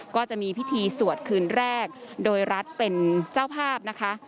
ก็จะมีพิธีสวดคืนแรกโดยรัฐเป็นเจ้าภาพนะคะ